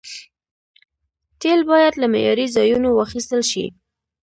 تیل باید له معياري ځایونو واخیستل شي.